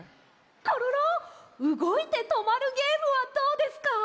コロロうごいてとまるゲームはどうですか？